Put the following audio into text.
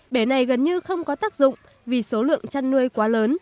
bể này gần như không có tác dụng vì số lượng chăn nuôi quá lớn